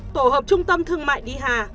tổ hợp trung tâm thương mại đi hà